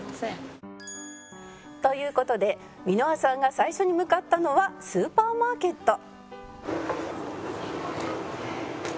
「という事で箕輪さんが最初に向かったのはスーパーマーケット」